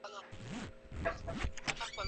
tulipaswa kupokea polisi mia tano